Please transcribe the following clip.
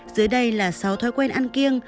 dưới đây là sáu thói quen ăn kiêng